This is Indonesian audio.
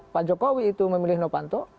pak jokowi itu memilih novanto